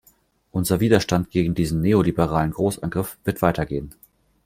Unser Widerstand gegen diesen neoliberalen Großangriff wird weitergehen!